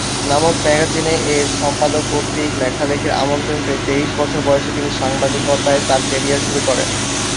নামক ম্যাগাজিনে এর সম্পাদক কর্তৃক লেখালেখির আমন্ত্রন পেয়ে তেইশ বছর বয়সে তিনি সাংবাদিকতায় তার ক্যারিয়ার শুরু করেন।